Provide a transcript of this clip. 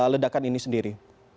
ledakan ini sendiri